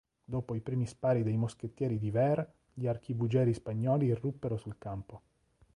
Dopo i primi spari dei moschettieri di Vere gli archibugieri spagnoli irruppero sul campo.